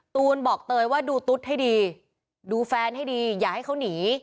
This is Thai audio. ตูนบอกเตยว่าดูตุ๊ดให้ดีดูแฟนให้ดีอย่าให้เขาหนี